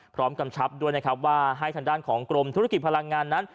กำชับด้วยนะครับว่าให้ทางด้านของกรมธุรกิจพลังงานนั้น